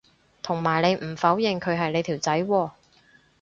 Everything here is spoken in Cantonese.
同埋你唔否認佢係你條仔喎